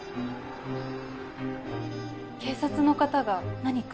警察の方が何か？